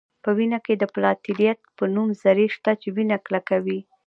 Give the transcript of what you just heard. په وینه کې د پلاتیلیت په نوم ذرې شته چې وینه کلکوي